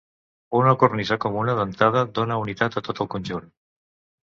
Una cornisa comuna dentada dóna unitat a tot el conjunt.